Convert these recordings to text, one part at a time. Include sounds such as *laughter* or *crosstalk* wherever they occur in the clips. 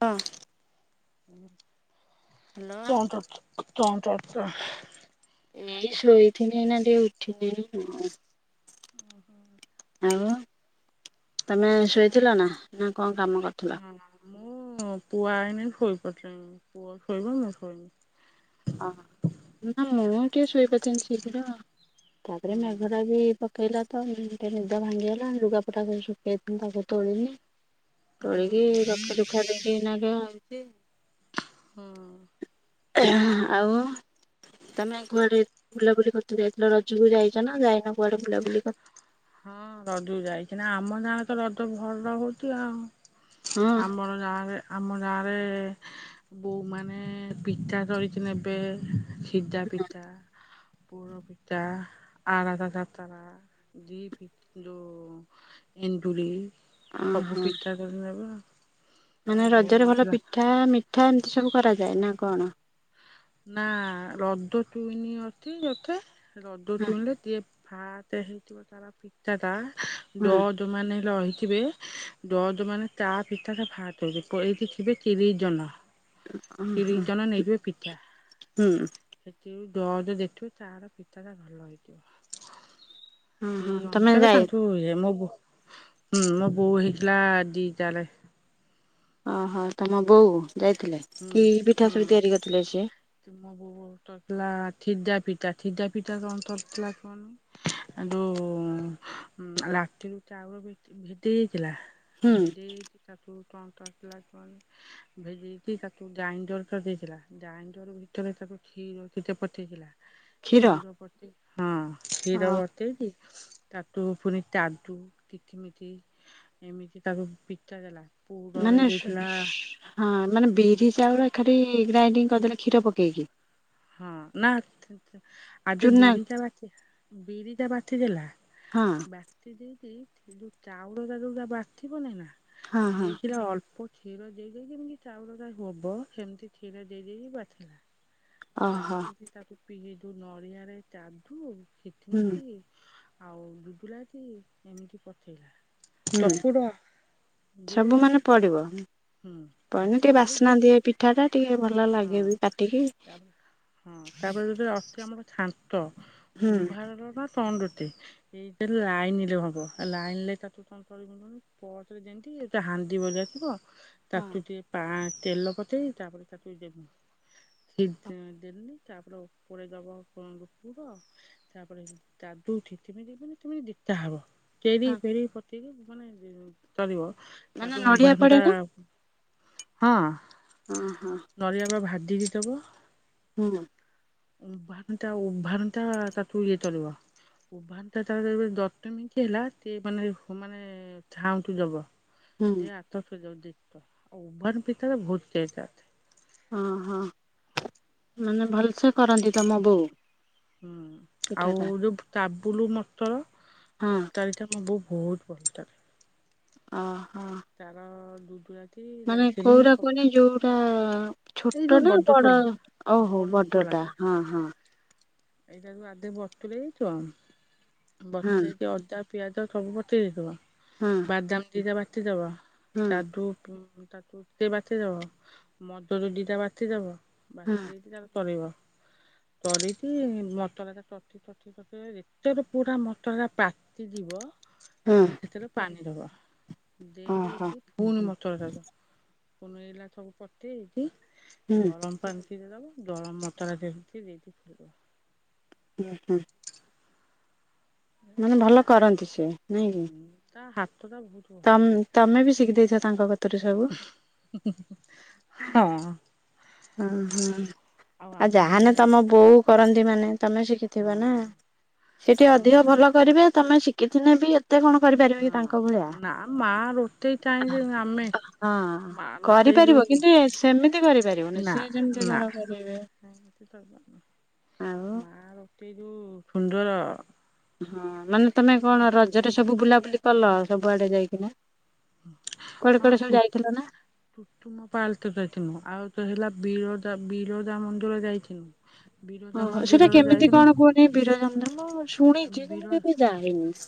କଅ। ହ୍ୟାଲୋ। *unintelligible* ଏଇ ଶୋଇଥିନି ଏଇନା ଟିକେ ଉଠିନି ଏଇନା *inaudible* *inaudible* ଆଉ ତୋମେ ଶୋଇଥିଲ ନା? ନା କଣ କାମ କରୁଥିଲ? ମୁଁ ପୁଅ ଆଇନି ଶୋଇପରଥିନି, ପୁଅ ଶୋଇବ ମୁଁ ଶୋଇବି। ଓହୋ, ନା ମୁଁ ଟିକେ ଶୁଇପରଥିନି ଶୀଘ୍ର, ତାପରେ ହୁଁ ମେଘ ଟା ବି ପ କେଇଲା ତ ମୋର ଟିକେ ନିଦ ଭାଙ୍ଗିଗଲା ଲୁଗାପଟା ସବୁ ଶୁକେଇଥିନି ତାକୁ ତୋଳିନି। ତୋଳିକି ରଖି ରୁଖା ଦେଇକି ଏଇନା ଯହ *inaudible* ହଁ *inaudible* ଏ ହଁ ଆଉ। ତୋମେ କୁଆଡେ ବୁଲାବୁଲି କରିତେ ଯାଇଥିଲ ରଜକୁ ଯାଇଚ ନା ଯାଇନ କୁଆଡେ ବୁଲାବୁଲି କର ହଁ ରଜକୁ ଯାଇଛି ନା, ଆମ ଗାଁ ରେ ତ ରଜ ଭଲ ହଉଛି ଆଉ, ହଁ ଆମର ଗାଁରେ ଆମ ଗାଁରେ କୋଉମାନେ ପିଠା କରିକି ନେବେ। ସିଜା ପିଠା ପିଠା ଆରସା କାକରା। ଘି ଯେଉଁ ଏଣ୍ଡୁଳି ସବୁ ଓହୋ ପିଠା କରି ନେବେ ଆଉ ମାନେ ରଜରେ ଭଲ ପିଠା ମିଠା ଏମିତି ସବୁ କରାଯାଏ ନା କଣ? ନା ରଦ ଚୁଇନି ଅଛି ଯେତେ ରଦ ହଁ ଚୁଇଁଲେ ଯିଏ ହାଟ ହେଇଥିବ ତାରା ପିଠାଟା ହଁ ଡଟ୍ ଯୋଉ ମାନେ ରହିଥିବେ ଦ ଯୋଉ ମାନେ ତା ପିଠାଟା *inaudible* ଏବେ ତିରିସ ଜନ। ହ ହ ଆଛା। ସେଥିରୁ ଜଜ୍ ଦେଖିବେ କାର ପିଠାଟା ଭଲ ହେଇଛି। ହଁ ହଁ ସେଇ ତମେ ଅନୁତାରେ ଯାଇ ଜଣିଛୁ ମୋ ବୋଉ ହୁଁ ମୋ ବୋଉ ହେଇଥିଲା ଦିଟା ରେ। ଓହୋ ତମ ବୋଉ ଯାଇଥିଲେ। ହୁଁ କି ପିଠା ସବୁ ତିଆରି କରିଥିଲେ ସିଏ ହୁଁ। ମୋ ବୋଉ ତରଥିଲା ଥିଦା ପିଠା ଥିଦା ପିଠା କଣ ତଥିଲା କଣ? ଯୋଉ ଲାଟିନ ଚାଉଳ ଭେଦି ହେଇଥିଲା। ହୁଁ ଭେଦେଇ ତାକୁ *unintelligible* ପିଲାଣ ଭେଦେଇ ତାକୁ ଗାଇଣ୍ଡରଟା ଦେଇଥିଲା ଗାଇଣ୍ଡର ଭିତରେ ତାକୁ କ୍ଷୀର ଖୀତ ପଠେଇଥିଲା। କ୍ଷୀର ହଁ ଅ କ୍ଷୀରବ ଦେଇକି ତାକୁ ପୁଣି କାଜୁ କିଚିମିସ୍ ଏମିତି ତାକୁ ପିଠା ଦେଲା ପୁରରେ ମାନେ ସୁ ଦେଇଥିଲା ହଁ ମାନେ ବିରି ଚାଉଳ ଏକାଠି ଗ୍ରାଇଣ୍ଡିଙ୍ଗ କରିଦେଲେ କ୍ଷୀର ପକେଇକି। ହଁ ନା ଆଦ ଚୁନା ବିରିଟା ବାଟିଦେଲା ବା ବିରିଟା ବାଟିଦେଲା। ହଁ। ବାଟିଦେଇକି ଥିଲୁ ଚାଉଳ ଯୋଉ ବାଟିବନାଇ ନା ହଁ ହଁ ଇଥିଲା ଅଳ୍ପ କ୍ଷୀର ଦେଇ ଦେଇଦେଇକି ଯେମିତି ଚାଉଳଟା ହବ ସେମିତି କ୍ଷୀର ଦେଇ ଦେଇଦେଇକି ବାଟିଲା। ଓହୋ ବାଟିକି ତାକୁ ପିଇ ଦୁ ନଡିଆରେ କାଜୁ ହୁଁ କିସମିସ ଆଉ ଗୁଜୁରାତି ଏମିତି ପଚେଇଲା। ହୁଁ ଗୁଡ଼ ସବୁ ମାନେ ପଡିବ? ହୁଁ ଆ ତୁ ପରେ ଦି ପିଠାଟା ଟିକେ ଭଲ ଲାଗେ। ହଁ ବି ପାଟିକି ତାପରେ ହଁ ତାପରେ ଯେବେ ଅଛି ଆମର ଛା ତ ହୁଁ ଉମ୍ଭାରର ନା ତଣଗୋଟେ? ସେଇଥେରେ ଲାଇନଲେ ଭବ ଲାଇନ ତା ତଞ୍ଚଳ ମିନି ପରେ ଯେମତି ଏ ହାଣ୍ଡି ଭଳିଆ ଥିବ ହଁ ତାକୁରୁ ଟିକେ ତେଲ ପଚେଇ ତାପରେ ତାକୁ ଦେବୁ କି ଦେଲିଲିି ତାପରେ ଉପ ଦବ ନୂପୁର। *inaudible* ଫେରି ହଁ ଫେରି ପତି ମାନେ ଚଳିବ ମାନେ ତାପରେ ନଡିଆ ଉଭାଣ୍ଡ ପଡେ ତା ନା ହଁ। ହଁ ହଁ। ନଡ଼ିଆ ବା ଭାଜିକି ଦବ? ହୁଁ। ଉଭାନଟା ଉଭାନଟା ତାକୁ ଇଏ କରିବ। ଉଭାନ ଟା ତାଦେହରେ ଯଦି ହେଲା ମାନେ ଝାଉଁ କି ହବ। ହୁଁ *unintelligible* ହଁ ହଁ, ମାନେ ଭଲସେ କରନ୍ତି ତମ ବୋଉ? ହୁଁ, ପିଠା ଆଉ ଟା ଯୋଉ କାବୁଲୁ ମଟର, ହଁ ତରକାରୀ ଟା ମୋ ବୋଉ ବହୁତ *unintelligible* ଅ ହଁ। କାରଣ ଦୁଦୁରା ମାନେ କଉରା କୁହନି? ଯୋଉ ତ ଏଇ ଛୋଟ ଯୋଉ ନା ବଡ? ଛୋଲା ଓହୋ ବଡ ଟା, ହଁ ହଁ। ଏଇଟା କୁ ଆଗେ ବତୁରେଇ ଦେଇଥିବ, ହଁ ବତୁରେଇକି ଅଦା ପିଆଜ ସବୁ *unintelligible* ହଁ। ବାଦାମ ଦିଟା ବାଟି ଦବ, ହଁ ତା-ଠୁ ତାକୁ ବାଟିଦବ, ମଧୂରି ଦିଟା ବାଟିଦବ, ହଁ ବାଟି ଦେଇକି ତାପରେ ତରିବ। କରି ସେ ମଟର ଟା ଟଟି ଟଟି ତ ଏତେ ରେ ପୁରା ମଟରଟା ପାତିଯିବ ହଁ ସେ କ୍ଷେତ୍ରରେ ପାଣି ଦବ, ଦେଇ ଓହୋ ଦେଇକି ପୁଣି ମଟର ଦବ, ପୁଣି ଏଇରା ସବୁ କରିଦେଇକି, ହୁଁ ଜଳ ପାନି ଟିକେ ଦବ, ଗରମ ମସଲା ଦେଇକି, ଦେଇକି ଫୁଟେଇ ଦବ। ହୁଁ ହୁଁ। ମାନେ ଭଲ କରନ୍ତି ସିଏ, ନାଇଁ କି? ତା ହାତ ଟା ବହୁତ ଭଲ ତମ-ତମେ ବି ଶିଖି ଦେଇଚ ତାଙ୍କ କତିରୁ ସବୁ? ହୁଁ ହୁଁ ହୁଁ, ହଁ ଓ ହଁ, ଆଉ ଆମ ଯାହାନେ ଗାଁରେ ତମ ବୋଉ କରନ୍ତି ମାନେ, ତମେ ଶିଖି ହଁ ଥିବ ନା, ସେ ଟିକେ ଆମ ଅଧିକ ଗାଁ ଭଲ କରିବେ, ତମେ ଶିଖି ଥିନେ ବି ଏତେ କଣ କରିପାରିବ? କି ହଁ, ତାଙ୍କ ଭଳିଆ? ନା ମା ରୋଟେଇ କାଇଁ ରେ ଆମେ? ହଁ, ମା ରୋଷେଇ କରିପାରିବ ଯୋଉ କିନ୍ତୁ ସେମିତି କରିପାରିବନି। ନା ସିଏ ଯେମିତି ନା, ଧର କରିବେ ସେମିତି ତରିପାରିବୁନି, ଆଉ ମା ରୋଷେଇ ଯୋଉ ସୁନ୍ଦର? ହଁ, ମାନେ ତମେ କଣ ରଜରେ ସବୁ ବୁଲାବୁଲି କଲ, ସବୁ ଆଡେ ଯାଇକିନା? କୁଆଡେ କୁଆଡେ ସବୁ ଯାଇଥିଲ ନା? ତୁତୁମ ପାଲକ ଯାଇଥିନୁ, ଆଉ ତ ହେଲା ବିରଦା ବିରଦା ମନ୍ଦିର ଯାଇଥିନୁ। ବିରଦା ମନ୍ଦିରରୁ ଯାଇଥିନୁ ବୀରଜା ମନ୍ଦିର ମୁଁ ଶୁଣିଚି କିନ୍ତୁ ବିର କେବେ ଯାଇନି।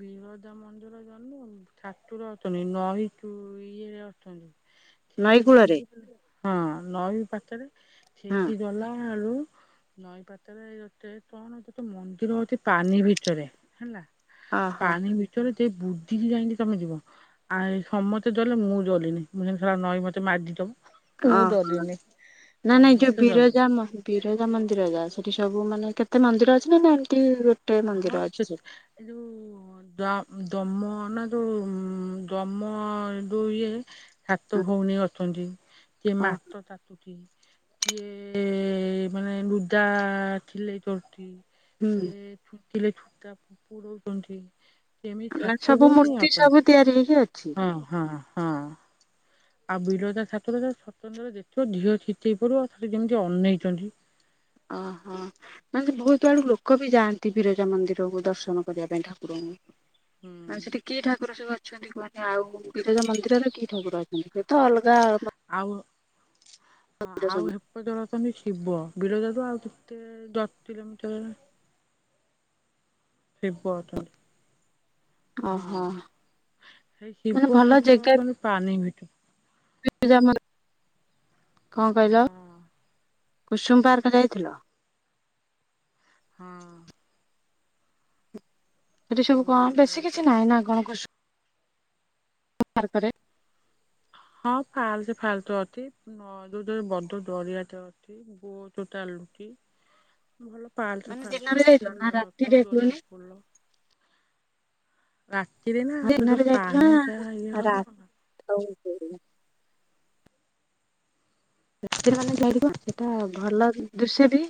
ବିରଜା ମନ୍ *unintelligible* ଠାକୁର ଅଛନ୍ତି, ନଈ ଯୋ ଇଏ ଅଛନ୍ତି। ସେଇ ନଈ କୂଳରେ ନଈଠୁ ହଁ, ନଈ ପାଖରେ ହଁ ସେଇଠି ଗଲା ଆଳୁ, ନଈ ପାତରେ ଗୋତେ କଣ ଗୋତେ ମନ୍ଦି ରହୁଚି ପାନି ଭିତରେ, ହେଲା, ଓହୋ ପାଣି ଭିତ ତରେ ସେ ବୁଡିକି ଯାଇକି ତମେ ଯିବ। ଆଏ ସମତେ ଜଲେ, ମୁଁ ଜଲିନି, ମୁଁ ଯେମିତି ସଲା ନଈ ମତେ ମାଡିଦବ। ଓଁ ହଁ, ନା ନାଇଁ ଯୋଉ ଡରିଲେ। ବିରଜା ମହି ବିରଜା ମନ୍ଦିର ଯା, ସେଠି ସବୁ ମାନେ କେତେ ମନ୍ଦିର ଅଛି ନା? ନା ଏମିତି ମନ୍ଦିର ହଁ, ଅଛି ସେଠି? କେତେ ଏ ଯୋଉ ଦ-ଦମ ନା ଯୋଉ, ଦମ ଦୋଉ ଇଏ ସାତ ଭଉଣୀ ଅଛନ୍ତି କିଏ ଓ ମାତ ତାଟୁଛି,। କିଏ ମାନେ ଲୁଦା ସିଲେଇ କରୁଚି, ହୁଁ କିଏ ଛୁଥିଲେ ଛୁତା ପସେଇ ଦୋଉଛନ୍ତି, ସେମିତି ମାନେ ସାତ ସବୁ ଭଉଣୀ ମୂର୍ତ୍ତି ସବୁ ଅଛନ୍ତି। ତିଆରି ହେଇକି ଅଛି। ହଁ ହଁ ହଁ। ଆଉ ବିରଜା ଠାକୁର ତ ସ୍ୱତନ୍ତ୍ର ଦେଖିବ ଦିହ ସିତେଇ ପଡିବ ସତେ ଯେମିତି ଅନେଇଛନ୍ତି। ଅ ହଁ। ମାନେ ବହୁତ ଆଡୁ ଲୋକ ବି ଯାଆନ୍ତି ବିରଜା ମନ୍ଦିରକୁ ଦର୍ଶନ କରିବା ପାଇଁ ଠାକୁରଙ୍କୁ। ହୁଁ ଆ ସେଠି କି ଠାକୁର ସବୁ ଅଛନ୍ତି କୁହନି ଆଉ ବିରଜା ମନ୍ଦିରରେ କି ଠାକୁର ଅଛନ୍ତି ସେ ତ ଅଲଗା ଆଉ *unintelligible* ସବୁ। *unintelligible* ଛନ୍ତି ଶିବ ବିରଜାରୁୁ ଆଉ କେତେ ଦଶ କିଲୋମିଟର ଶିବ ଅଛନ୍ତି। ହଁ ଓହୋ ସେଇ ମାନେ ଶିବ ଭଲ ଠାକୁର ଜେଗା ଅଛନ୍ତି ପାଣି ଭିତରେ। ବିରଜା ମନ୍ଦିର କଣ କହିଲ ହଁ କୁସୁମ୍ ପାର୍କ ଯାଇଥିଲ? ହଁ। ସେଠି ସବୁ କଣ ତୁମପାଳରେ ବେଶୀ ଯାଇଥିଲି। କିଛି ନାହିଁ ନା କଣ କୁସ୍ ପାର୍କରେ। ହଁ ପାର୍କ ଫାର୍କ ଅଛି ହ ଯୋଉଠି ବଡ଼ ଗଢ଼ିଆଟେ ଅଛି। ବସ ଚାଲୁଛି। ଭଲ ପାର୍କ ମାନେ ଫାର୍କ ଦିନରେ ଅଛି ଯାଇଥିଲ ଫୁଲ ନା ଗଛ ରାତିରେ କୁହନି? ଡୋଲାପ ଫୁଲ ରାତିରେ ନା ଯୋଉ ଦିନରେ ଯାଇଥିଲ ପାହାଣୀଟା ଇଏ ନା ହବ କଣ *unintelligible* ସେଥି ମାନେ ଯାଇ ଦେଖିବା ସେଟା ଭଲ ଦୁସିଆ ଦେଇ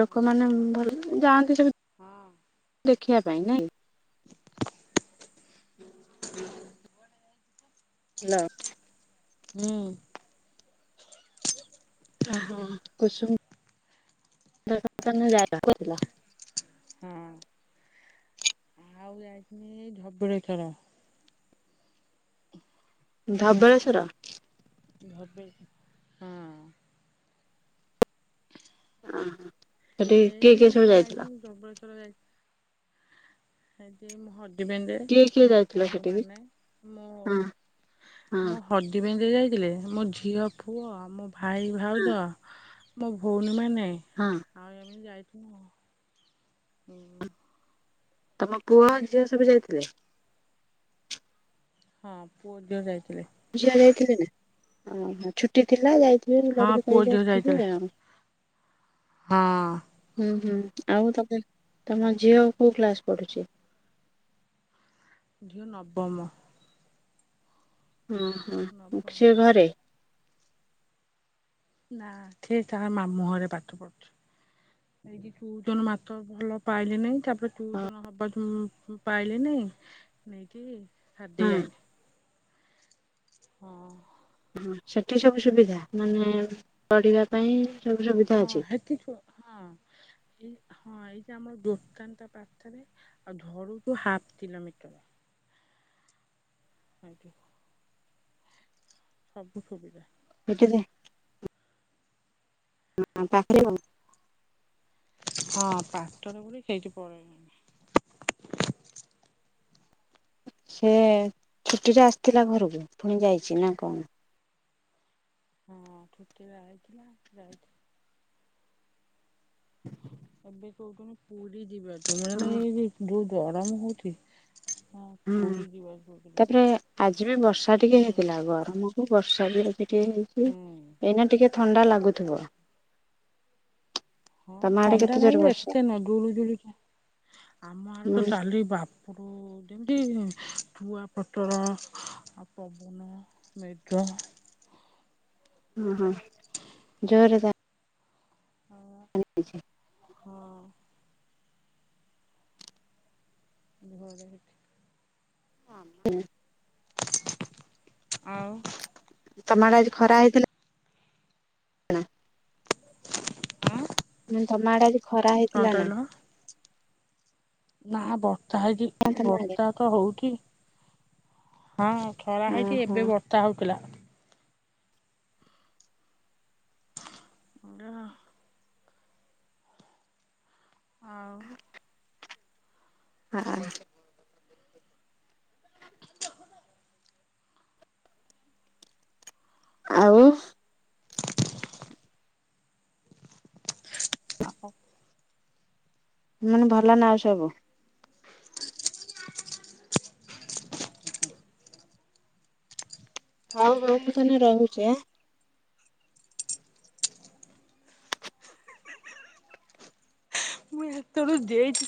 ଲୋକମାନେ ଭଲ ଯାଆନ୍ତି ସେ ହଁ। ଦେଖିବା ପାଇଁ ନାଇଁ *unintelligible* ହାଲୋ। ହୁଁ। *unintelligible* ହଁ ଆଉ ଯାଇଥିନି ଧବଳେ ଶ୍ୱର। ଧବଳେଶ୍ଵର। *unintelligible* ହଁ। *inaudible* ଅ ହଁ। ସେଇ ଯେ ଯାଇଥିଲି ଧବଳେଶ୍ୱର ଯାଇ *unintelligible* କିଏ *unintelligible* କିଏ ଆମ ଯାଇଥିଲ ସେଠିକି? ଭଉଣୀମାନେ ହଁ ହଁ ମୁଁ ହଦିବେନ୍ଦ ଯାଇଥିଲେ ମୋ ଝିଅ ପୁଅ ଆଉ ମୋ ଭାଇ ଭାଉଜ ମୋ ଭଉଣୀ ମାନେ। ହଁ। ଆଉ ଏମିତି ଯାଇଥିନୁ ଆଉ। ଉଁ। ତମ ପୁଅ ଝିଅ ସବୁ ଯାଇଥିଲେ? ହଁ ପୁଅ ଝିଅ ଯାଇଥିଲେ। ଝିଅ ଯାଇଥିଲେ ନା, ଅ ହ ଛୁଟି ଥିଲା ଯାଇଥିବେ ହଁ ବୁଲାବୁଲି ପୁଅ କରିକି ଝିଅ ଆସିଥିବେ ଯାଇଥିଲେ ଆଉ। ହଁ। ହୁଁ ହୁଁ ଆଉ ତମେ ତମ ଯାଇଥିଲେ ଝିଅ କୋଉ କ୍ଲାସ୍ ପଢୁଛି? ଝିଅ ନବମ। ହୁଁ ହୁଁ ହୁଁ ନବମ ସିଏ ଘରେ। ନା ଥିଏ ଥା ମାମୁଁ ଘରେ ପାଠ ପଢୁଛି। *inaudible* ଏଇଠି ଟୁଛନ ମାଥର ଭଲ ପାଇଲି ନାହିଁ ତାପରେ ଟୁଛନ ହବାକୁ ମୁଁ ପାଇଲି ନାହିଁ ନେଇକି ଛାଡି ହଁ ଦେଇ ଆଇଲି ହଁ। ହଁ ସେଠି ସବୁ ସୁବିଧା ମାନେ ପଢିବା ପାଇଁ ସବୁ ସୁବିଧା ହଁ ଅଛି। ହେଠି ଛୁ ହଁ। ଏଇ ହଁ ଏଇଚା ଆମର ଦୋକାନତା ପାଥେରେ ଆଉ ଧରୁଠୁ ହାପ୍ କିଲୋମିଟର। ଆଜ୍ଞା। ସବୁ ସୁୁବିଧା। ହେଇ ଦବ। *inaudible* ହଁ ପାଠରେ ବୋଲି ସେଇଠି ପଳେଇଁ ଇଁ ସେ ଛୁଟିରେ ଆସିଥିଲା ଘରୁକୁ ପୁଣି ଯାଇଛି ନା କଣ। ହଁ ଛୁଟିରେ ଆଇଥିଲା ଯାଇଥି। ଏବେ କହୁଚନି ପୁରୀ ଯିବାତୁ ମାନେ ହଁ ଏଇ ଯୋଉ ଗରମ ହଉଥି ହୁଁ ତାପରେ ଆଜି ବି ବର୍ଷା ଟିକେ ହୁଁ। ହେଇଥିଲା ଗରମକୁ ବର୍ଷା ବି ହେଇ *unintelligible* ହେଇଛି ହୁଁ। ଏଇନା ଟିକେ ଥଣ୍ଡା ଲାଗୁଥୁବ। ହଁ ସନ୍ଧ୍ୟା ନ ହଉ ଜୋର ବର୍ଷା? ଏତେ ନ ଜୁଳୁ ଜୁଳିକା ଆମ ଆଡ ହୁଁ ତ ତାଲି ବାପ୍ ପୁରୁ ଯେମତି ଚୁଆ ପଟର ଆଉ ପବନ ମେଡ୍ରମ ଉଁ ହୁଁ ଜୋରେ ତା *unintelligible* ଧରେ ହେଇଥି। *unintelligible* ଆଉ ତମ ଆଡେ ଆଜି ଖରା ହେଇଥିଲା? *unintelligible* ଉଁ ତମ ଆଡେ ଆଜି ଖରା କଣ ହେଇଥେଲା ନା। କହିଲ? ନା ବର୍ତ୍ତା ହେଇକି ହଁ ତମ ଆଡେ ବର୍ତ୍ତା ତ ହଉକି। ହଁ ଖରା ହେଇଚି ଓହୋ ଏବେ ବର୍ତା ହଉଥିଲା। *unintelligible* ଆଉ ଆ ଆଉ ଆପ ହୁଁ ଭଲ ନା ସବୁ। *inaudible* ହଉ ଭଉଣୀ ମୁଁ ତାହେନେ ରହୁଚି ଆଁ। ମୁଁ ହେତେବେଳୁ ଦେଇଛି।